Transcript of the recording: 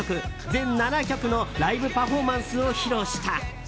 全７曲のライブパフォーマンスを披露した。